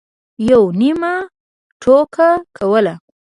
یوه نیمه ټوکه کوله.